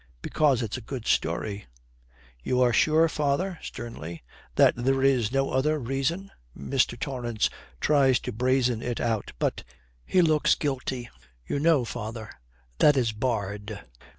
'Because it's a good story.' 'You are sure, father,' sternly, 'that there is no other reason?' Mr. Torrance tries to brazen it out, but he looks guilty. 'You know, father, that is barred.'